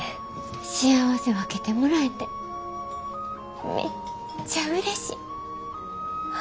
幸せ分けてもらえてめっちゃうれしい。